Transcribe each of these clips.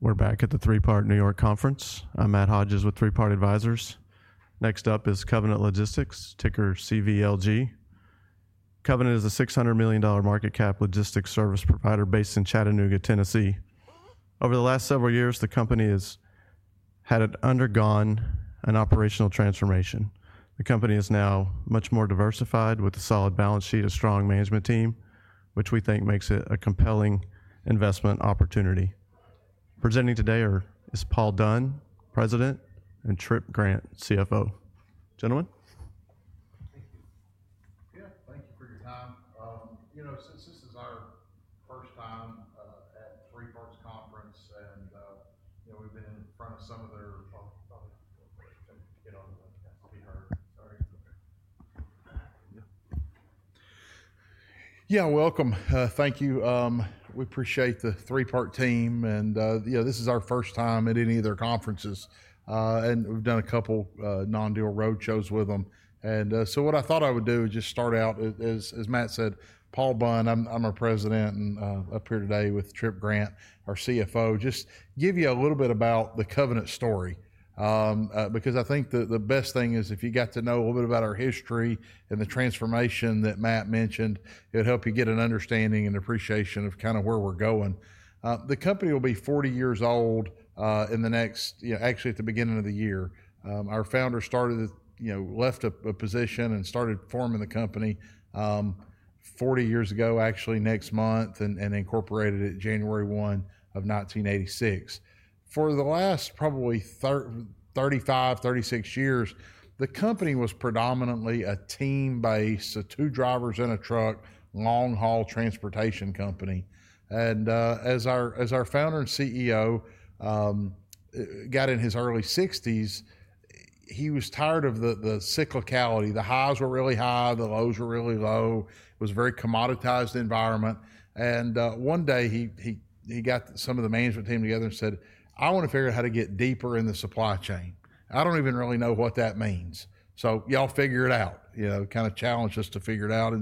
We're back at the Three Part New York Conference. I'm Matt Hodges with Three Part Advisors. Next up is Covenant Logistics, ticker CVLG. Covenant is a $600 million market cap logistics service provider based in Chattanooga, Tennessee. Over the last several years, the company has undergone an operational transformation. The company is now much more diversified with a solid balance sheet and a strong management team, which we think makes it a compelling investment opportunity. Presenting today is Paul Bunn, President, and Tripp Grant, CFO. Gentlemen. Thank you. Yeah, thank you for your time. You know, since this is our first time at Three Part Advisors Conference and, you know, we've been in front of some of their—yeah, welcome. Thank you. We appreciate the Three Part team and, you know, this is our first time at any of their conferences, and we've done a couple of non-dual road shows with them. What I thought I would do is just start out, as Matt said, Paul Bunn, I'm President and up here today with Tripp Grant, our CFO, just give you a little bit about the Covenant story. Because I think the best thing is if you got to know a little bit about our history and the transformation that Matt mentioned, it'll help you get an understanding and appreciation of kind of where we're going. The company will be 40 years old in the next—actually, at the beginning of the year. Our founder started—you know, left a position and started forming the company 40 years ago, actually, next month, and incorporated it January 1 of 1986. For the last probably 35, 36 years, the company was predominantly a team-based, so two drivers in a truck, long-haul transportation company. As our founder and CEO got in his early 60s, he was tired of the cyclicality. The highs were really high, the lows were really low. It was a very commoditized environment. One day he got some of the management team together and said, "I want to figure out how to get deeper in the supply chain. I don't even really know what that means. So y'all figure it out." You know, kind of challenged us to figure it out.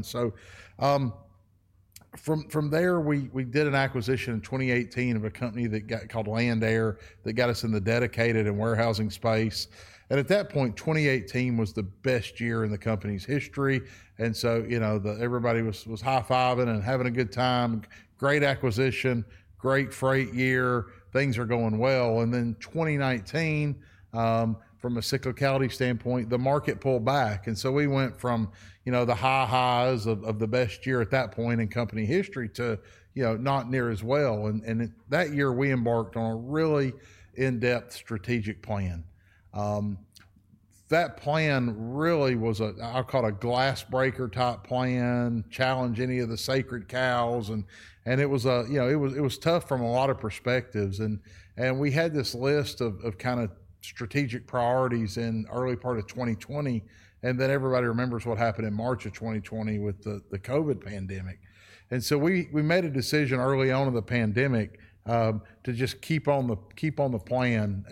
From there, we did an acquisition in 2018 of a company called LandAir that got us in the dedicated and warehousing space. At that point, 2018 was the best year in the company's history. You know, everybody was high-fiving and having a good time. Great acquisition, great freight year, things are going well. In 2019, from a cyclicality standpoint, the market pulled back. We went from, you know, the high highs of the best year at that point in company history to, you know, not near as well. That year we embarked on a really in-depth strategic plan. That plan really was a—I'll call it a glassbreaker type plan, challenge any of the sacred cows. It was tough from a lot of perspectives. We had this list of kind of strategic priorities in the early part of 2020. Everybody remembers what happened in March of 2020 with the COVID pandemic. We made a decision early on in the pandemic to just keep on the plan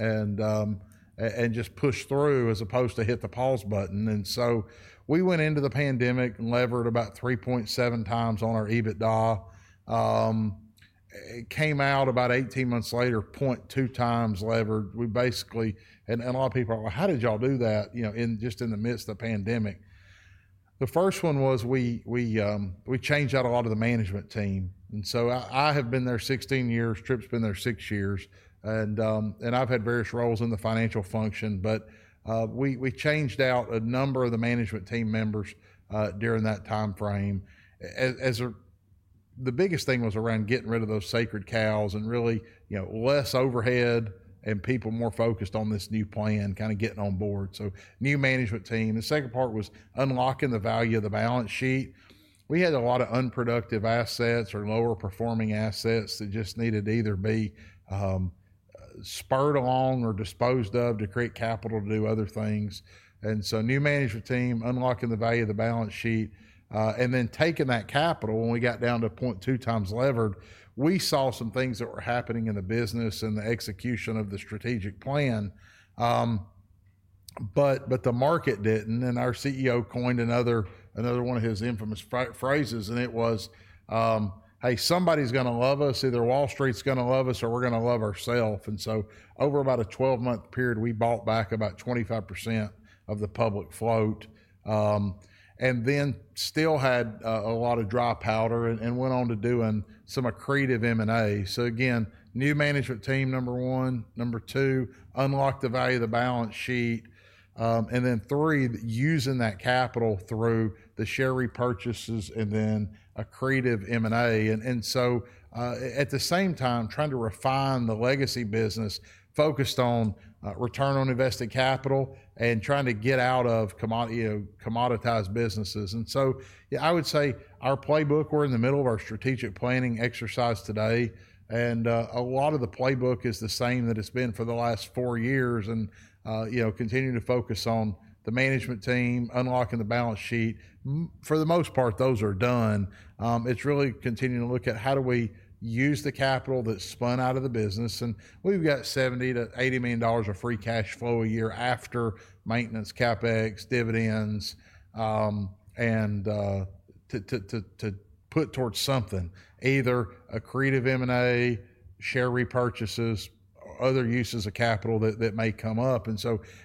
and just push through as opposed to hit the pause button. We went into the pandemic and levered about 3.7x on our EBITDA. It came out about 18 months later, 0.2x levered. Basically, a lot of people are like, "How did y'all do that?" You know, just in the midst of the pandemic. The first one was we changed out a lot of the management team. I have been there 16 years, Tripp's been there six years, and I've had various roles in the financial function. We changed out a number of the management team members during that time frame. The biggest thing was around getting rid of those sacred cows and really, you know, less overhead and people more focused on this new plan, kind of getting on board. New management team. The second part was unlocking the value of the balance sheet. We had a lot of unproductive assets or lower performing assets that just needed to either be spurred along or disposed of to create capital to do other things. New management team, unlocking the value of the balance sheet, and then taking that capital when we got down to 0.2x levered, we saw some things that were happening in the business and the execution of the strategic plan. The market did not. Our CEO coined another one of his infamous phrases, and it was, "Hey, somebody's going to love us. Either Wall Street's going to love us or we're going to love ourselves." Over about a 12-month period, we bought back about 25% of the public float and then still had a lot of dry powder and went on to doing some accretive M&A. Again, new management team, number one. Number two, unlock the value of the balance sheet. Then three, using that capital through the share repurchases and then accretive M&A. At the same time, trying to refine the legacy business focused on return on invested capital and trying to get out of commoditized businesses. I would say our playbook, we're in the middle of our strategic planning exercise today. A lot of the playbook is the same that it has been for the last four years and, you know, continuing to focus on the management team, unlocking the balance sheet. For the most part, those are done. It is really continuing to look at how do we use the capital that is spun out of the business. We have got $70 million - $80 million of free cash flow a year after maintenance CapEx, dividends, and to put towards something, either accretive M&A, share repurchases, or other uses of capital that may come up.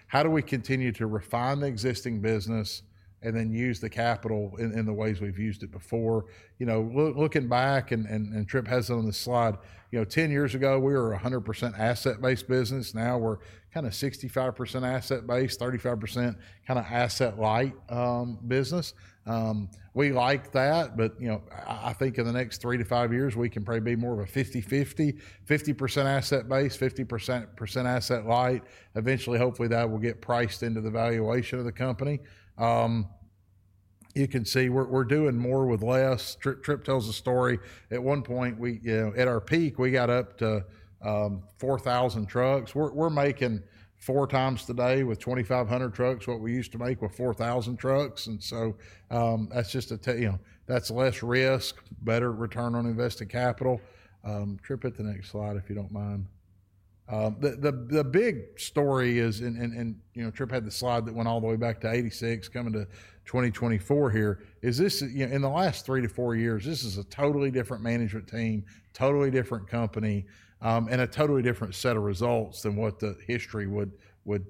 How do we continue to refine the existing business and then use the capital in the ways we have used it before? You know, looking back, and Tripp has it on the slide, 10 years ago, we were a 100% asset-based business. Now we are kind of 65% asset-based, 35% kind of asset-light business. We like that, but, you know, I think in the next three to five years, we can probably be more of a 50-50, 50% asset-based, 50% asset-light. Eventually, hopefully that will get priced into the valuation of the company. You can see we're doing more with less. Tripp tells a story. At one point, at our peak, we got up to 4,000 trucks. We're making four times today with 2,500 trucks what we used to make with 4,000 trucks. That's just a, you know, that's less risk, better return on invested capital. Tripp, hit the next slide if you don't mind. The big story is, and you know, Tripp had the slide that went all the way back to 1986, coming to 2024 here, is this, you know, in the last three to four years, this is a totally different management team, totally different company, and a totally different set of results than what the history would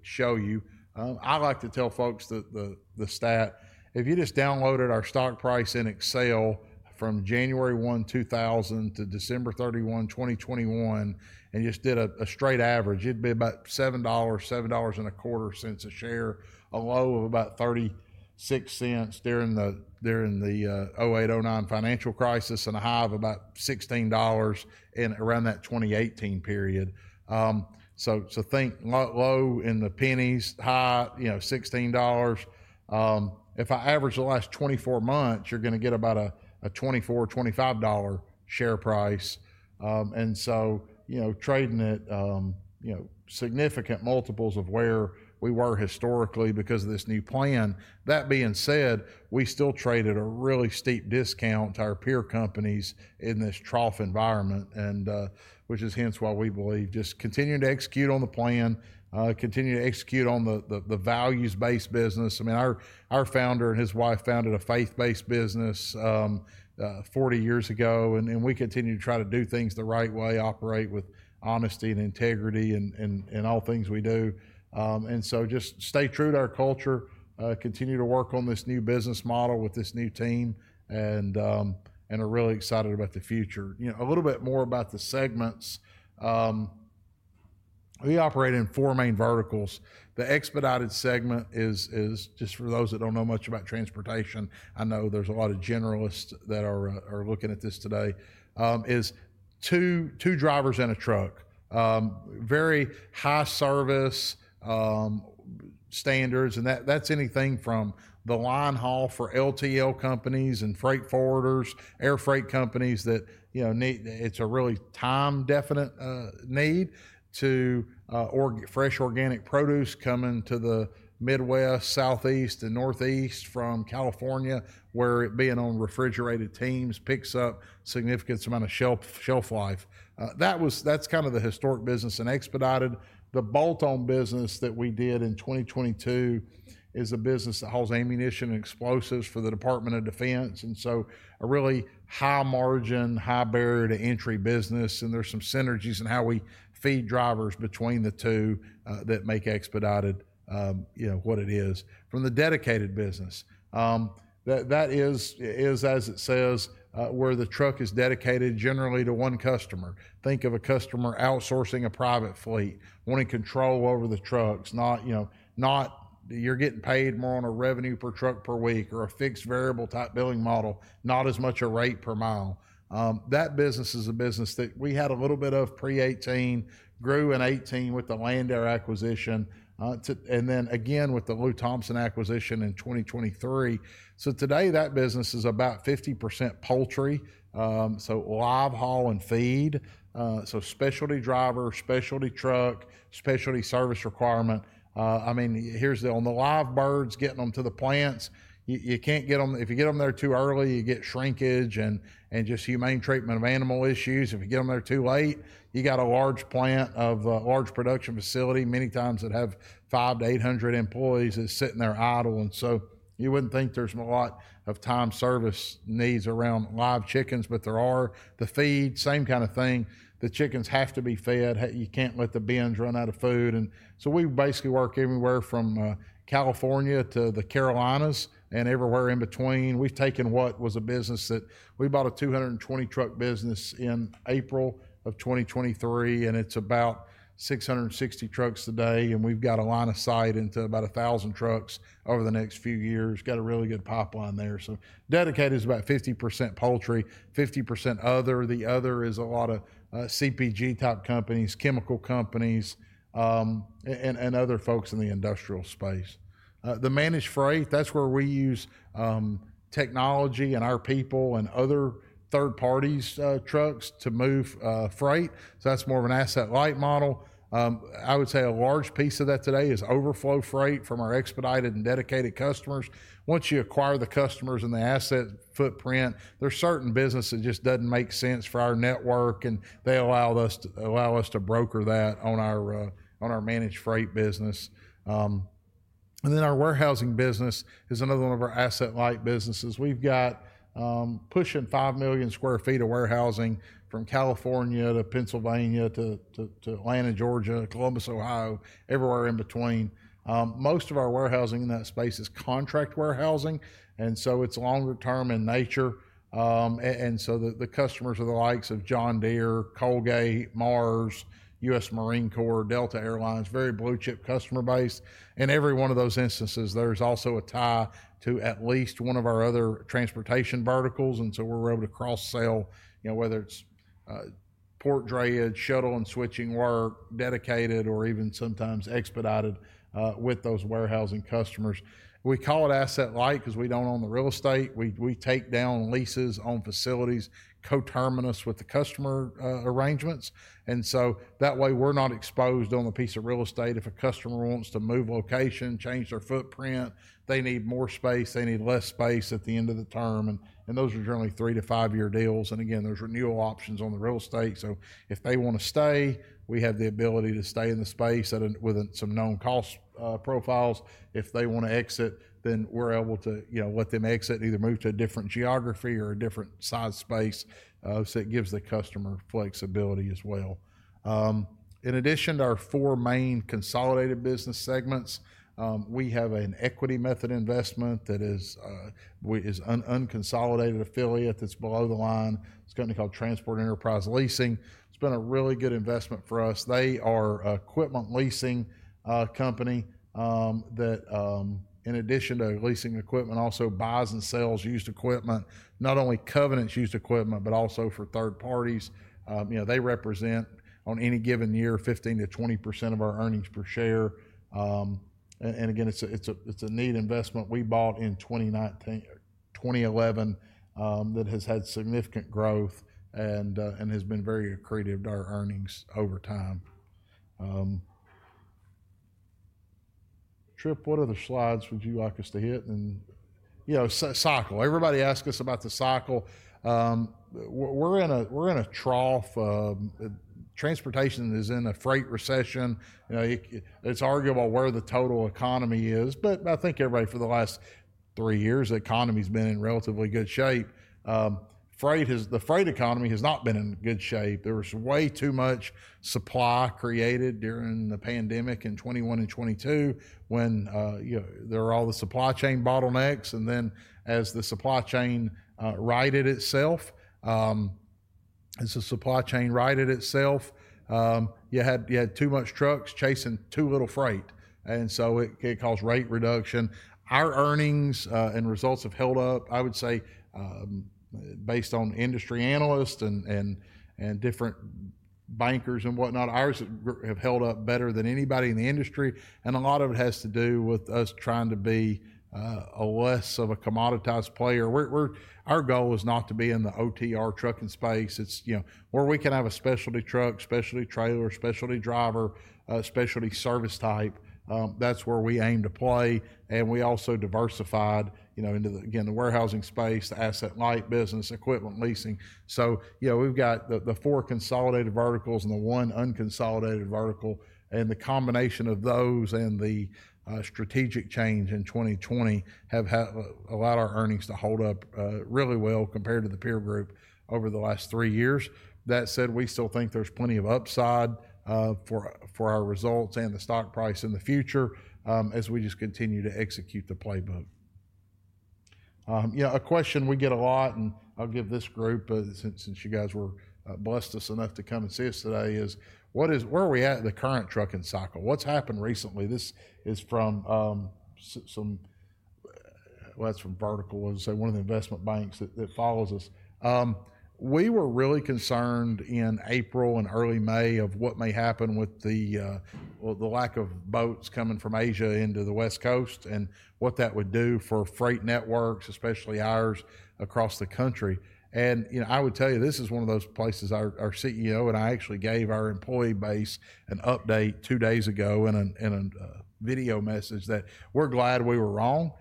show you. I like to tell folks the stat, if you just downloaded our stock price in Excel from January 1, 2000, to December 31, 2021, and just did a straight average, it'd be about $7, $7.25 a share, a low of about $0.36 during the 2008-2009 financial crisis and a high of about $16 in around that 2018 period. So think low in the pennies, high, you know, $16. If I average the last 24 months, you're going to get about a $24 - $25 share price. You know, trading at, you know, significant multiples of where we were historically because of this new plan. That being said, we still traded at a really steep discount to our peer companies in this trough environment, which is hence why we believe just continuing to execute on the plan, continuing to execute on the values-based business. I mean, our founder and his wife founded a faith-based business 40 years ago, and we continue to try to do things the right way, operate with honesty and integrity in all things we do. Just stay true to our culture, continue to work on this new business model with this new team, and we're really excited about the future. You know, a little bit more about the segments. We operate in four main verticals. The expedited segment is just for those that don't know much about transportation. I know there's a lot of generalists that are looking at this today. It's two drivers in a truck, very high service standards. And that's anything from the linehaul for LTL companies and freight forwarders, air freight companies that, you know, it's a really time-definite need to fresh organic produce coming to the Midwest, Southeast, and Northeast from California, where it being on refrigerated teams picks up a significant amount of shelf life. That's kind of the historic business in expedited. The bolt-on business that we did in 2022 is a business that hauls ammunition and explosives for the Department of Defense. And so a really high margin, high barrier to entry business. And there's some synergies in how we feed drivers between the two that make expedited, you know, what it is from the dedicated business. That is, as it says, where the truck is dedicated generally to one customer. Think of a customer outsourcing a private fleet, wanting control over the trucks, not, you know, you're getting paid more on a revenue per truck per week or a fixed variable type billing model, not as much a rate per mile. That business is a business that we had a little bit of pre-2018, grew in 2018 with the LandAir acquisition, and then again with the Lou Thompson acquisition in 2023. Today that business is about 50% poultry, so live haul and feed. Specialty driver, specialty truck, specialty service requirement. I mean, here's the on the live birds, getting them to the plants. You can't get them if you get them there too early, you get shrinkage and just humane treatment of animal issues. If you get them there too late, you got a large plant of a large production facility many times that have 500 - 800 employees that sit in there idle. You wouldn't think there's a lot of time service needs around live chickens, but there are. The feed, same kind of thing. The chickens have to be fed. You can't let the bins run out of food. We basically work everywhere from California to the Carolinas and everywhere in between. We've taken what was a business that we bought, a 220 truck business in April of 2023, and it's about 660 trucks today. We've got a line of sight into about 1,000 trucks over the next few years. Got a really good pipeline there. Dedicated is about 50% poultry, 50% other. The other is a lot of CPG type companies, chemical companies, and other folks in the industrial space. The managed freight, that's where we use technology and our people and other third parties' trucks to move freight. That is more of an asset-light model. I would say a large piece of that today is overflow freight from our expedited and dedicated customers. Once you acquire the customers and the asset footprint, there are certain businesses that just do not make sense for our network, and they allow us to broker that on our managed freight business. Then our warehousing business is another one of our asset-light businesses. We have got pushing 5 million sq ft of warehousing from California to Pennsylvania to Atlanta, Georgia, Columbus, Ohio, everywhere in between. Most of our warehousing in that space is contract warehousing, and it is longer term in nature. The customers are the likes of John Deere, Colgate, Mars, U.S. Marine Corps, Delta Air Lines, very blue chip customer base. In every one of those instances, there's also a tie to at least one of our other transportation verticals. We are able to cross-sell, you know, whether it's port drayage, shuttle and switching work, dedicated, or even sometimes expedited with those warehousing customers. We call it asset-light because we do not own the real estate. We take down leases on facilities, co-terminus with the customer arrangements. That way we are not exposed on the piece of real estate if a customer wants to move location, change their footprint, they need more space, they need less space at the end of the term. Those are generally three- to five-year deals. Again, there are renewal options on the real estate. If they want to stay, we have the ability to stay in the space with some known cost profiles. If they want to exit, then we're able to, you know, let them exit, either move to a different geography or a different size space. It gives the customer flexibility as well. In addition to our four main consolidated business segments, we have an equity method investment that is an unconsolidated affiliate that's below the line. It's a company called Transport Enterprise Leasing. It's been a really good investment for us. They are an equipment leasing company that, in addition to leasing equipment, also buys and sells used equipment, not only Covenant's used equipment, but also for third parties. You know, they represent on any given year 15% - 20% of our earnings per share. Again, it's a neat investment. We bought in 2011 that has had significant growth and has been very accretive to our earnings over time. Tripp, what other slides would you like us to hit? And, you know, cycle. Everybody asks us about the cycle. We're in a trough. Transportation is in a freight recession. You know, it's arguable where the total economy is, but I think everybody for the last three years, the economy has been in relatively good shape. The freight economy has not been in good shape. There was way too much supply created during the pandemic in 2021 and 2022 when, you know, there were all the supply chain bottlenecks. And then as the supply chain righted itself, as the supply chain righted itself, you had too much trucks chasing too little freight. And so it caused rate reduction. Our earnings and results have held up, I would say, based on industry analysts and different bankers and whatnot. Ours have held up better than anybody in the industry. A lot of it has to do with us trying to be less of a commoditized player. Our goal is not to be in the OTR trucking space. It's, you know, where we can have a specialty truck, specialty trailer, specialty driver, specialty service type. That's where we aim to play. We also diversified, you know, into the, again, the warehousing space, the asset-light business, equipment leasing. You know, we've got the four consolidated verticals and the one unconsolidated vertical. The combination of those and the strategic change in 2020 have allowed our earnings to hold up really well compared to the peer group over the last three years. That said, we still think there's plenty of upside for our results and the stock price in the future as we just continue to execute the playbook. You know, a question we get a lot, and I'll give this group since you guys were blessed us enough to come and see us today is, where are we at in the current trucking cycle? What's happened recently? This is from some, well, that's from Vertical, as I say, one of the investment banks that follows us. We were really concerned in April and early May of what may happen with the lack of boats coming from Asia into the West Coast and what that would do for freight networks, especially ours across the country. You know, I would tell you this is one of those places our CEO and I actually gave our employee base an update two days ago in a video message that we're glad we were wrong.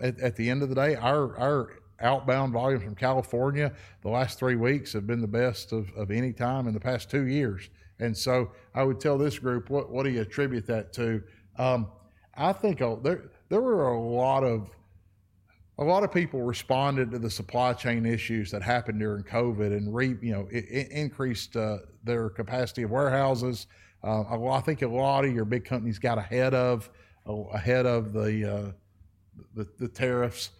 At the end of the day, our outbound volume from California the last three weeks has been the best of any time in the past two years. I would tell this group, what do you attribute that to? I think there were a lot of people who responded to the supply chain issues that happened during COVID and, you know, increased their capacity of warehouses. I think a lot of your big companies got ahead of the tariffs.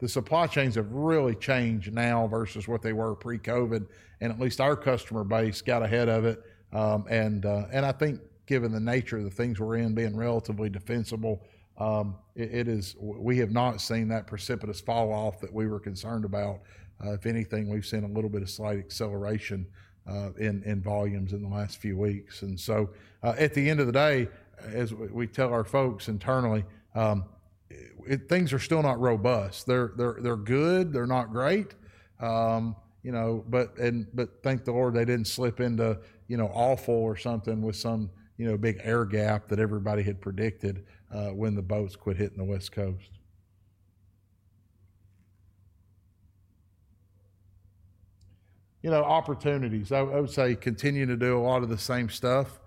The supply chains have really changed now versus what they were pre-COVID. At least our customer base got ahead of it. I think given the nature of the things we're in, being relatively defensible, we have not seen that precipitous falloff that we were concerned about. If anything, we've seen a little bit of slight acceleration in volumes in the last few weeks. At the end of the day, as we tell our folks internally, things are still not robust. They're good. They're not great. You know, but thank the Lord they didn't slip into, you know, awful or something with some, you know, big air gap that everybody had predicted when the boats quit hitting the West Coast. You know, opportunities. I would say continuing to do a lot of the same stuff,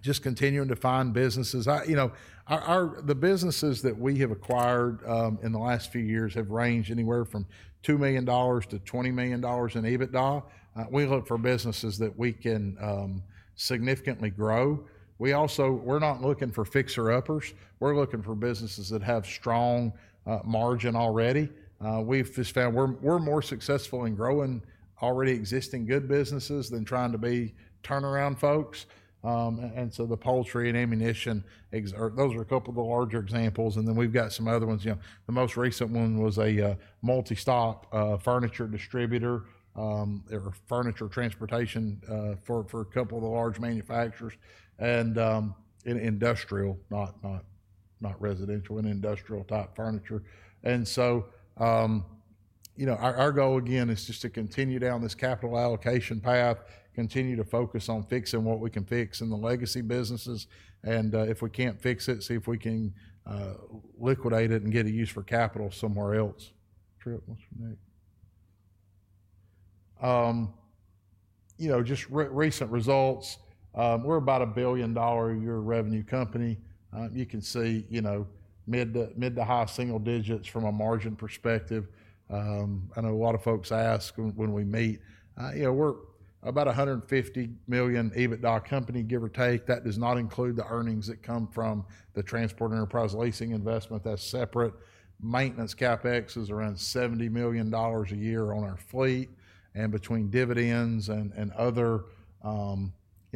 just continuing to find businesses. You know, the businesses that we have acquired in the last few years have ranged anywhere from $2 million - $20 million in EBITDA. We look for businesses that we can significantly grow. We also, we're not looking for fixer-uppers. We're looking for businesses that have strong margin already. We've found we're more successful in growing already existing good businesses than trying to be turnaround folks. The poultry and ammunition, those are a couple of the larger examples. We've got some other ones. You know, the most recent one was a multi-stop furniture distributor or furniture transportation for a couple of the large manufacturers and industrial, not residential and industrial type furniture. You know, our goal again is just to continue down this capital allocation path, continue to focus on fixing what we can fix in the legacy businesses. If we can't fix it, see if we can liquidate it and get a use for capital somewhere else. Tripp, what's your next? You know, just recent results. We're about a $1 billion a year revenue company. You can see, you know, mid to high single digits from a margin perspective. I know a lot of folks ask when we meet, you know, we're about a $150 million EBITDA company, give or take. That does not include the earnings that come from the Transport Enterprise Leasing investment. That's separate. Maintenance CapEx is around $70 million a year on our fleet. Between dividends and other, you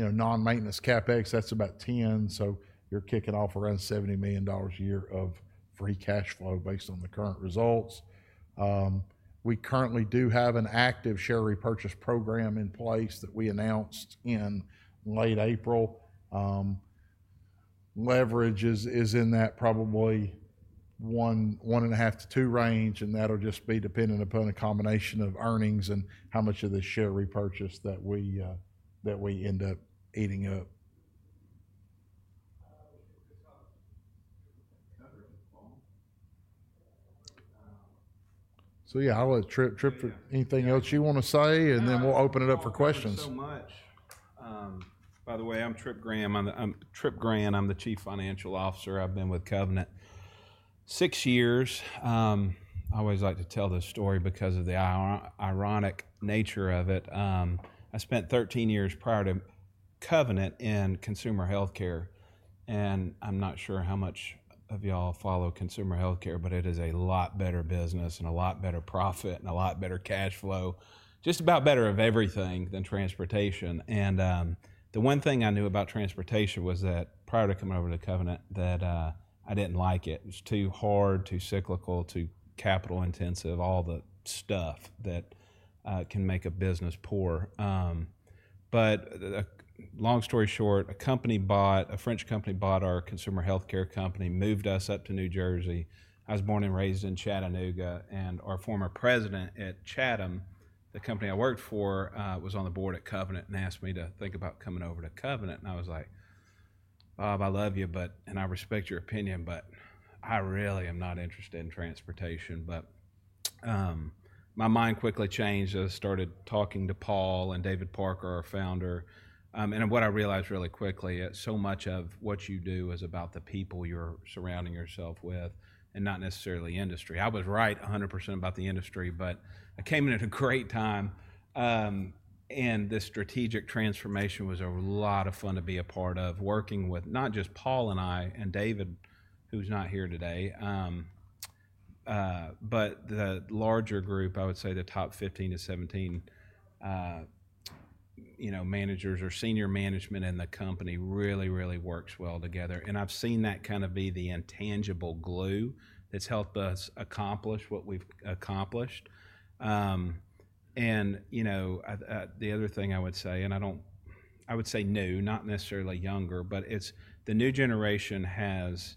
know, non-maintenance CapEx, that's about $10 million. You're kicking off around $70 million a year of free cash flow based on the current results. We currently do have an active share repurchase program in place that we announced in late April. Leverage is in that probably one and a half to two range, and that'll just be dependent upon a combination of earnings and how much of the share repurchase that we end up eating up. Yeah, I'll let Tripp, anything else you want to say, and then we'll open it up for questions. Thank you so much. By the way, I'm Tripp Grant. I'm the Chief Financial Officer. I've been with Covenant six years. I always like to tell this story because of the ironic nature of it. I spent 13 years prior to Covenant in consumer healthcare. I'm not sure how much of y'all follow consumer healthcare, but it is a lot better business and a lot better profit and a lot better cash flow, just about better of everything than transportation. The one thing I knew about transportation was that prior to coming over to Covenant, I did not like it. It was too hard, too cyclical, too capital intensive, all the stuff that can make a business poor. Long story short, a French company bought our consumer healthcare company, moved us up to New Jersey. I was born and raised in Chattanooga. Our former president at Chatham, the company I worked for, was on the board at Covenant and asked me to think about coming over to Covenant. I was like, "Bob, I love you, and I respect your opinion, but I really am not interested in transportation." My mind quickly changed as I started talking to Paul and David Parker, our founder. What I realized really quickly, so much of what you do is about the people you're surrounding yourself with and not necessarily industry. I was right 100% about the industry, but I came in at a great time. This strategic transformation was a lot of fun to be a part of, working with not just Paul and I and David, who's not here today, but the larger group. I would say the top 15 - 17, you know, managers or senior management in the company really, really works well together. I've seen that kind of be the intangible glue that's helped us accomplish what we've accomplished. You know, the other thing I would say, and I don't, I would say new, not necessarily younger, but it's the new generation has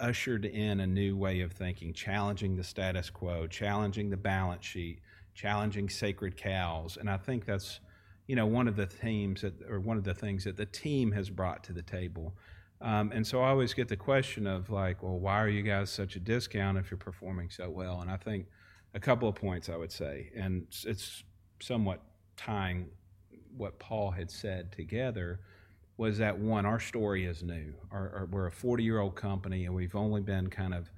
ushered in a new way of thinking, challenging the status quo, challenging the balance sheet, challenging sacred cows. I think that's, you know, one of the themes that, or one of the things that the team has brought to the table. I always get the question of like, well, why are you guys such a discount if you're performing so well? I think a couple of points I would say, and it's somewhat tying what Paul had said together, was that one, our story is new. We're a 40-year-old company, and we've only been kind of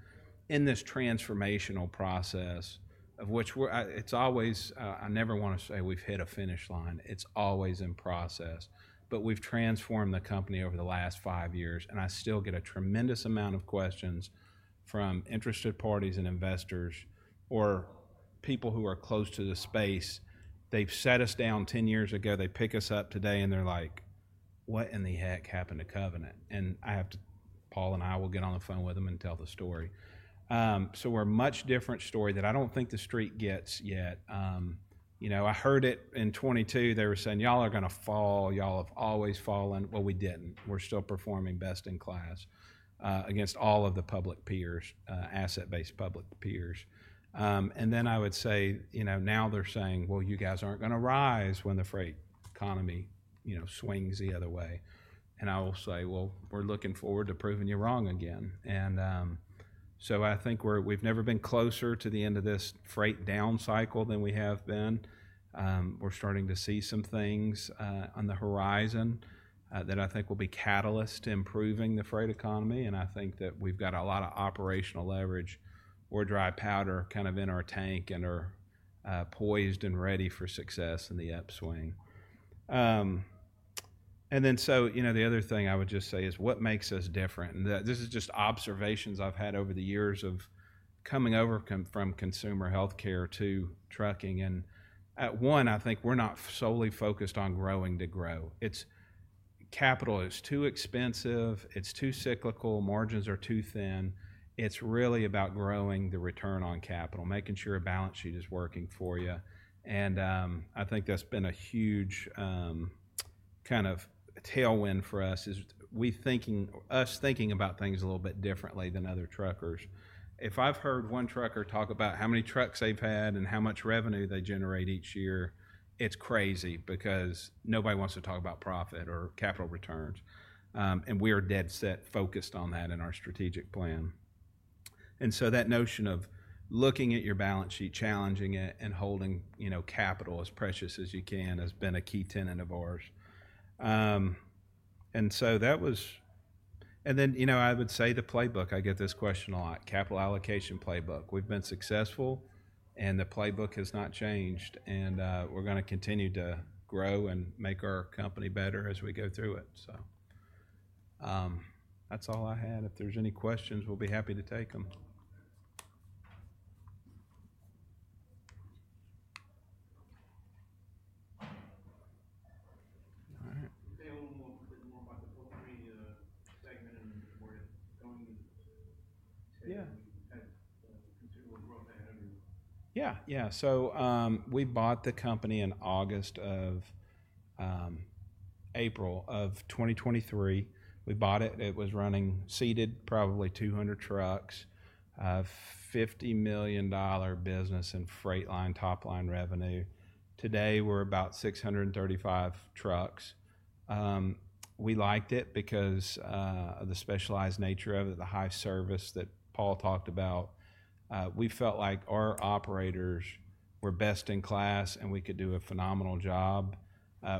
in this transformational process of which we're, it's always, I never want to say we've hit a finish line. It's always in process. We've transformed the company over the last five years. I still get a tremendous amount of questions from interested parties and investors or people who are close to the space. They set us down 10 years ago, they pick us up today, and they're like, what in the heck happened to Covenant? I have to, Paul and I will get on the phone with them and tell the story. We're a much different story that I don't think the street gets yet. You know, I heard it in 2022. They were saying, y'all are going to fall. Y'all have always fallen. We didn't. We're still performing best in class against all of the public peers, asset-based public peers. I would say, you know, now they're saying, you guys aren't going to rise when the freight economy, you know, swings the other way. I will say, we're looking forward to proving you wrong again. I think we've never been closer to the end of this freight down cycle than we have been. We're starting to see some things on the horizon that I think will be catalysts to improving the freight economy. I think that we've got a lot of operational leverage or dry powder kind of in our tank and are poised and ready for success in the upswing. The other thing I would just say is what makes us different. This is just observations I've had over the years of coming over from consumer healthcare to trucking. At one, I think we're not solely focused on growing to grow. It's capital. It's too expensive. It's too cyclical. Margins are too thin. It's really about growing the return on capital, making sure a balance sheet is working for you. I think that's been a huge kind of tailwind for us is us thinking about things a little bit differently than other truckers. If I've heard one trucker talk about how many trucks they've had and how much revenue they generate each year, it's crazy because nobody wants to talk about profit or capital returns. We are dead set focused on that in our strategic plan. That notion of looking at your balance sheet, challenging it, and holding, you know, capital as precious as you can has been a key tenet of ours. That was, and then, you know, I would say the playbook. I get this question a lot. Capital allocation playbook. We've been successful and the playbook has not changed. We're going to continue to grow and make our company better as we go through it. That's all I had. If there's any questions, we'll be happy to take them. All right. Say a little more about the company segment and where it's going. Yeah. Yeah. We bought the company in April of 2023. We bought it. It was running seated, probably 200 trucks, a $50 million business in freight line, top line revenue. Today, we're about 635 trucks. We liked it because of the specialized nature of it, the high service that Paul talked about. We felt like our operators were best in class and we could do a phenomenal job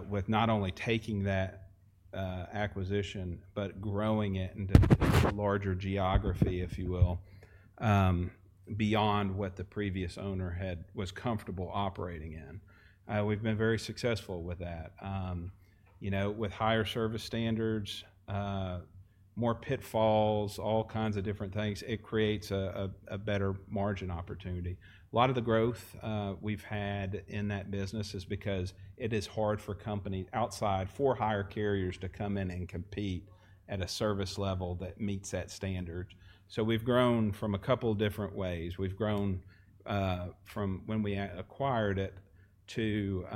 with not only taking that acquisition, but growing it into a larger geography, if you will, beyond what the previous owner was comfortable operating in. We've been very successful with that. You know, with higher service standards, more pitfalls, all kinds of different things, it creates a better margin opportunity. A lot of the growth we've had in that business is because it is hard for companies outside for higher carriers to come in and compete at a service level that meets that standard. We've grown from a couple of different ways. We've grown from when we acquired it to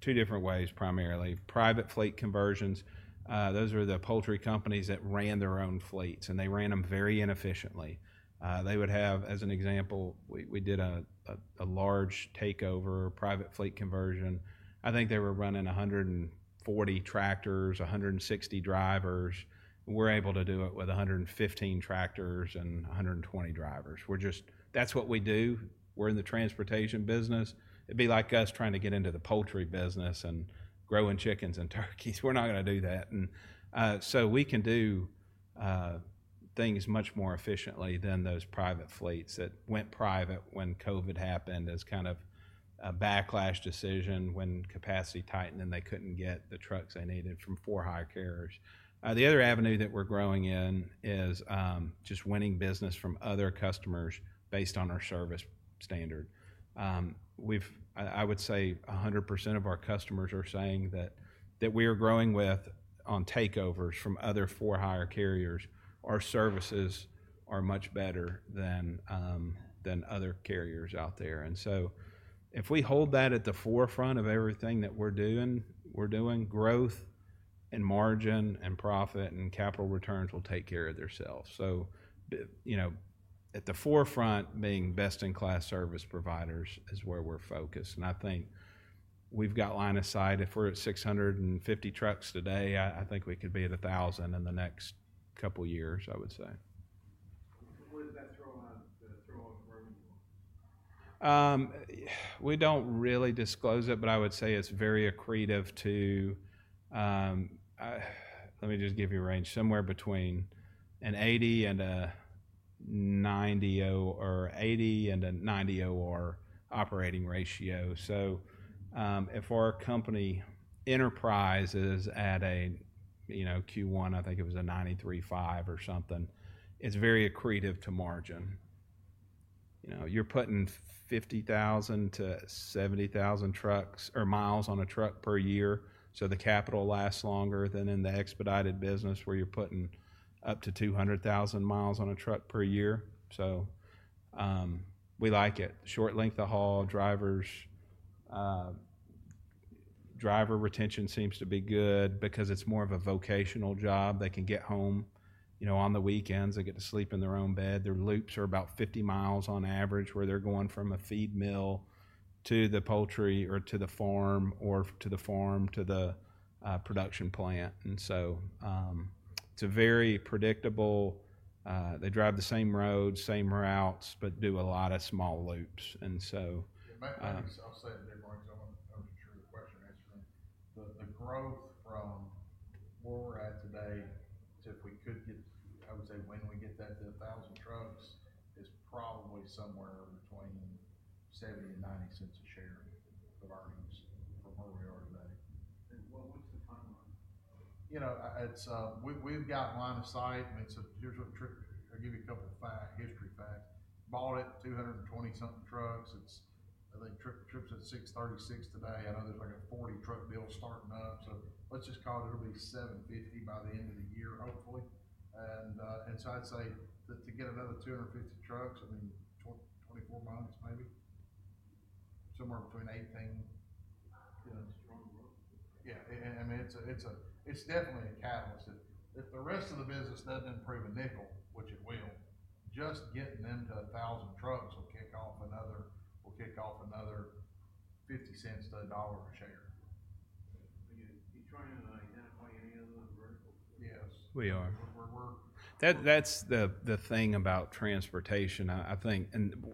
two different ways, primarily private fleet conversions. Those are the poultry companies that ran their own fleets, and they ran them very inefficiently. They would have, as an example, we did a large takeover private fleet conversion. I think they were running 140 tractors, 160 drivers. We're able to do it with 115 tractors and 120 drivers. We're just, that's what we do. We're in the transportation business. It'd be like us trying to get into the poultry business and growing chickens and turkeys. We're not going to do that. We can do things much more efficiently than those private fleets that went private when COVID happened as kind of a backlash decision when capacity tightened and they couldn't get the trucks they needed from for-hire carriers. The other avenue that we're growing in is just winning business from other customers based on our service standard. I would say 100% of our customers are saying that we are growing with on takeovers from other for-hire carriers. Our services are much better than other carriers out there. If we hold that at the forefront of everything that we're doing, growth and margin and profit and capital returns will take care of themselves. You know, at the forefront, being best in class service providers is where we're focused. I think we've got line of sight. If we're at 650 trucks today, I think we could be at 1,000 in the next couple of years, I would say. What does that throw on the growing? We don't really disclose it, but I would say it's very accretive to, let me just give you a range, somewhere between an 80 - 90 or 80 - 90 operating ratio. If our company enterprise is at a, you know, Q1, I think it was a 93.5 or something, it's very accretive to margin. You're putting 50,000-70,000 mi on a truck per year, so the capital lasts longer than in the expedited business where you're putting up to 200,000 mi on a truck per year. We like it. Short length of haul, drivers, driver retention seems to be good because it's more of a vocational job. They can get home, you know, on the weekends. They get to sleep in their own bed. Their loops are about 50 mi on average where they're going from a feed mill to the poultry or to the farm or to the farm to the production plant. It's very predictable. They drive the same roads, same routes, but do a lot of small loops. I'll say it. I'm sure the question answering. The growth from where we're at today to if we could get, I would say when we get that to 1,000 trucks is probably somewhere between $0.70 - $0.90 a share of our earnings from where we are today. What's the timeline? You know, it's, we've got line of sight. I mean, here's what Tripp, I'll give you a couple of history facts. Bought it, 220 something trucks. It's, I think Tripp's at 636 today. I know there's like a 40 truck bill starting up. Let's just call it, it'll be 750 by the end of the year, hopefully. I'd say to get another 250 trucks, I mean, 24 months maybe, somewhere between 18. You know, strong growth. Yeah. I mean, it's definitely a catalyst. If the rest of the business doesn't improve a nickel, which it will, just getting into a thousand trucks will kick off another $0.5 to a dollar a share. Are you trying to identify any of the verticals? Yes. We are. That's the thing about transportation, I think.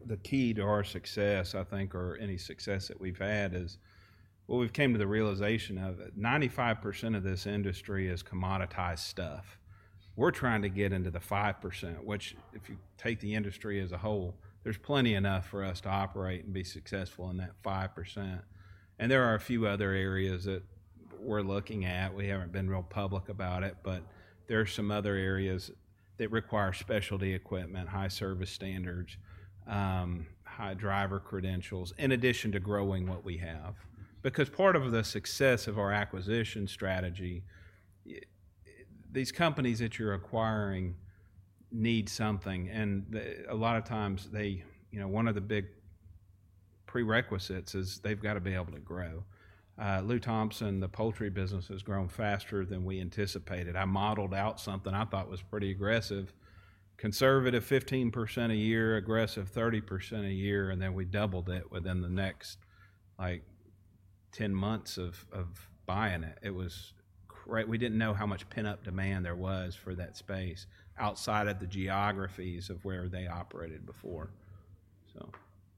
The key to our success, I think, or any success that we've had is, we've come to the realization that 95% of this industry is commoditized stuff. We're trying to get into the 5%, which, if you take the industry as a whole, there's plenty enough for us to operate and be successful in that 5%. There are a few other areas that we're looking at. We haven't been real public about it, but there are some other areas that require specialty equipment, high service standards, high driver credentials, in addition to growing what we have. Because part of the success of our acquisition strategy, these companies that you're acquiring need something. A lot of times, you know, one of the big prerequisites is they've got to be able to grow. Lou Thompson, the poultry business, has grown faster than we anticipated. I modeled out something I thought was pretty aggressive. Conservative 15% a year, aggressive 30% a year. Then we doubled it within the next like 10 months of buying it. It was great. We didn't know how much pent-up demand there was for that space outside of the geographies of where they operated before.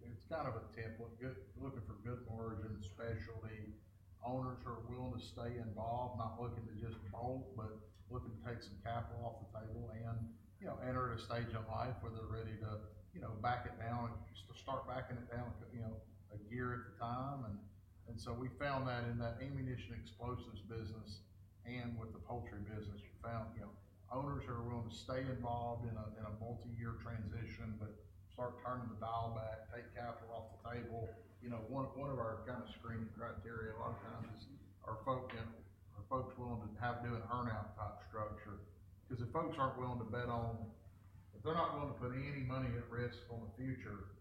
It's kind of a template. You're looking for good margin, specialty. Owners are willing to stay involved, not looking to just bolt, but looking to take some capital off the table and, you know, enter a stage of life where they're ready to, you know, back it down and just start backing it down, you know, a year at a time. We found that in that ammunition explosives business and with the poultry business, you found, you know, owners are willing to stay involved in a multi-year transition, but start turning the dial back, take capital off the table. You know, one of our kind of screening criteria a lot of times is are folks willing to have do an earn-out type structure. Because if folks are not willing to bet on, if they are not willing to put any money at risk on the future,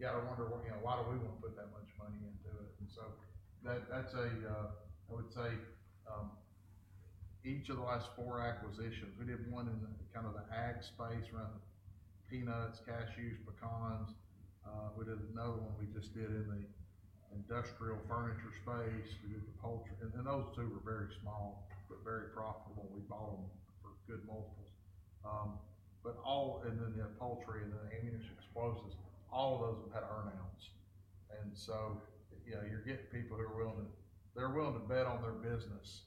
you got to wonder, you know, why do we want to put that much money into it? I would say each of the last four acquisitions, we did one in kind of the ag space around the peanuts, cashews, pecans. We did another one we just did in the industrial furniture space. We did the poultry. Those two were very small, but very profitable. We bought them for good multiples. All, and then the poultry and the ammunition explosives, all of those have had earn-outs. You know, you're getting people who are willing to, they're willing to bet on their business,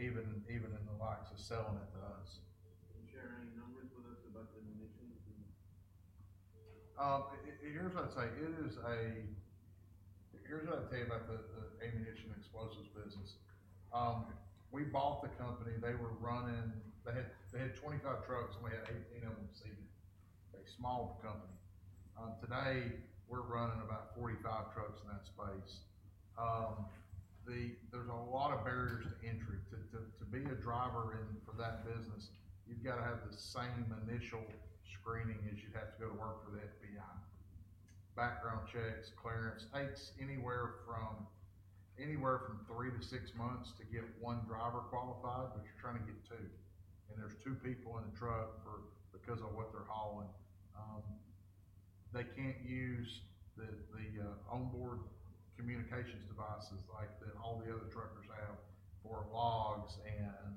even in the likes of selling it to us. Can you share any numbers with us about the ammunition? Here's what I'd say. It is a, here's what I'd tell you about the ammunition explosives business. We bought the company. They were running, they had 25 trucks and we had 18 of them seated. A small company. Today, we're running about 45 trucks in that space. There's a lot of barriers to entry. To be a driver in for that business, you've got to have the same initial screening as you'd have to go to work for the FBI. Background checks, clearance, takes anywhere from three to six months to get one driver qualified, but you're trying to get two. And there's two people in the truck because of what they're hauling. They can't use the onboard communications devices like all the other truckers have for logs and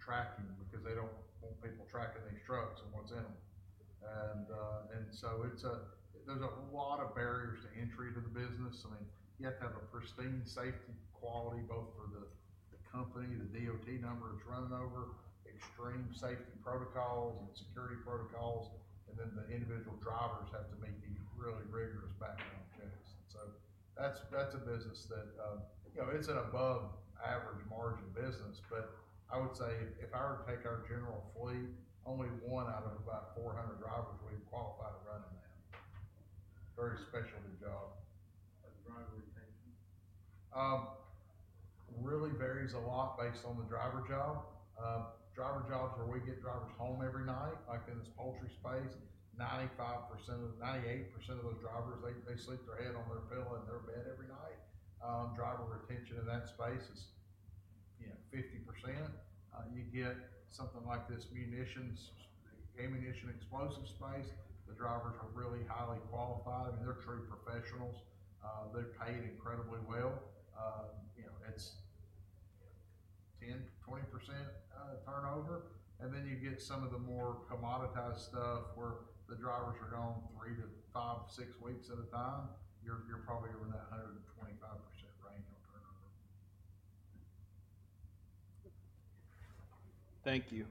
tracking because they don't want people tracking these trucks and what's in them. It's a, there's a lot of barriers to entry to the business. I mean, you have to have a pristine safety quality, both for the company, the DOT number it's running over, extreme safety protocols and security protocols. The individual drivers have to make these really rigorous background checks. That is a business that, you know, it's an above average margin business, but I would say if I were to take our general fleet, only one out of about 400 drivers would be qualified to run in that. Very specialty job. The driver retention really varies a lot based on the driver job. Driver jobs where we get drivers home every night, like in this poultry space, 95% - 98% of those drivers, they sleep their head on their pillow in their bed every night. Driver retention in that space is, you know, 50%. You get something like this munitions, ammunition explosive space, the drivers are really highly qualified. I mean, they're true professionals. They're paid incredibly well. You know, it's 10% - 20% turnover. You get some of the more commoditized stuff where the drivers are gone three to five, six weeks at a time. You're probably around that 125% range on turnover. Thank you.